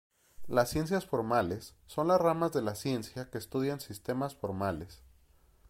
Las ciencias formales son las ramas de la ciencia que estudian sistemas formales.